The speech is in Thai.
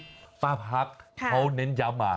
แต่ต้องใจเย็นหน่อยเพราะว่าคนมันเยอะนะเขาก็เข้าใจนะก็ขอบคุณทุกคน